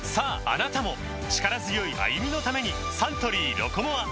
あなたも力強い歩みのためにサントリー「ロコモア」